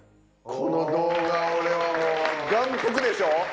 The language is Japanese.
この動画俺はもう眼福でしょ？